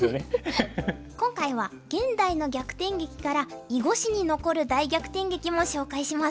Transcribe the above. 今回は現代の逆転劇から囲碁史に残る大逆転劇も紹介します。